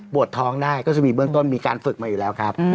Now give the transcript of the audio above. ท้องได้ก็จะมีเบื้องต้นมีการฝึกมาอยู่แล้วครับ